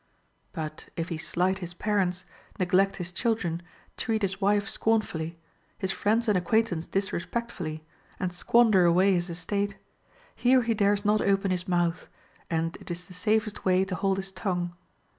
Bat if he slight his parents, neglect his children, treat his wife scornfully, his friends and acquaintance disrespectfully, and squander away his estate, here he dares not open his mouth, and it is the safest way to hold his tongue.